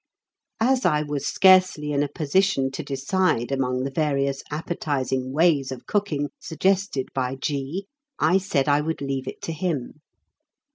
As I was scarcely in a position to decide among the various appetising ways of cooking suggested by G., I said I would leave it to him.